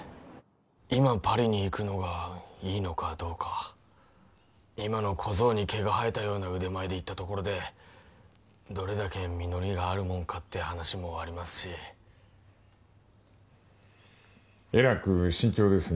今パリに行くのがいいのかどうか今の小僧に毛が生えたような腕前で行ったところでどれだけ実りがあるもんかって話もありますしえらく慎重ですね